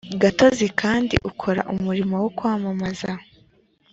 gatozi kandi ukora umurimo wo kwamamaza